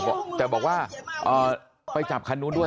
แต่บอกว่าไปจับคันนู้นด้วย